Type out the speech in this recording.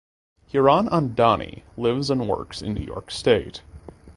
Hiranandani lives and works in New York state.